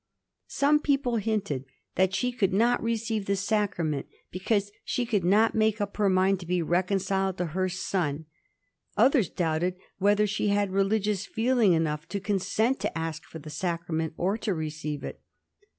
Some people hinted that she could not receive the sacrament because she could not make up her mind to be reconciled to her son; others doubted whether she had religious feeling enough to consent to ask for the sacrament or to receive it.